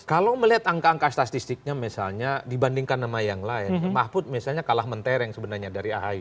kalau melihat angka angka statistiknya misalnya dibandingkan nama yang lain mahfud misalnya kalah mentereng sebenarnya dari ahy